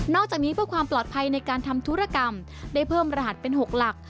อกจากนี้เพื่อความปลอดภัยในการทำธุรกรรมได้เพิ่มรหัสเป็น๖หลัก